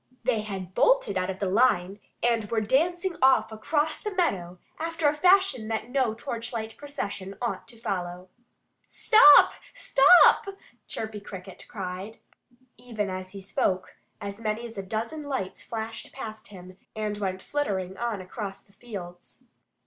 They had bolted out of the line and were dancing off across the meadow after a fashion that no torchlight procession ought to follow. "Stop! Stop!" Chirpy Cricket called. Even as he spoke, as many as a dozen lights flashed past him and went flittering on across the fields.